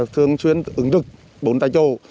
thường xuyên ứng dụng bốn tây chỗ